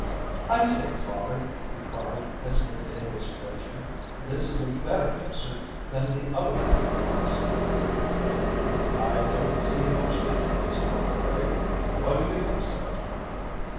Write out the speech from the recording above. "I say, father," he cried, as mid day was approaching, "this is a better desert than the other one we crossed." "I don't see much difference, my boy. Why do you think so?"